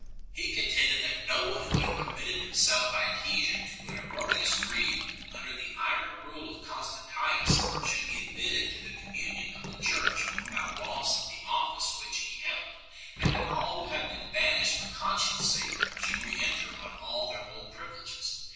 He con tended that no one who had committed himself by adhesion to an erroneous creed under the iron rule of Constantius should be admitted to the communion 01 the Church with out loss of the office which he held, and that all who had been banished for conscience sake should re enter on all their old privileges.